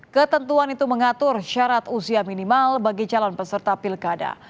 ketentuan itu mengatur syarat usia minimal bagi calon peserta pilkada